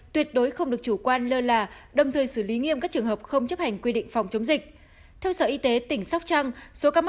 tuyệt đối không được chủ quan lơ là đồng thời xử lý nghiêm các trường hợp không chấp hành quy định phòng chống dịch